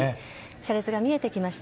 車列が見えてきました。